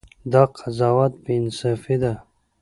دا قضاوت بې انصافي ده.